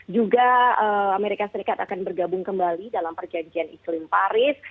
juga amerika serikat akan bergabung kembali dalam perjanjian iklim paris